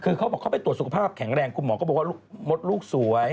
คือเขาบอกเขาไปตรวจสุขภาพแข็งแรงคุณหมอก็บอกว่ามดลูกสวย